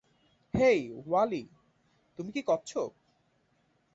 হেই, Wally, তুমি কি কচ্ছপ?